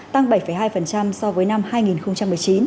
tăng bảy hai so với năm hai nghìn một mươi chín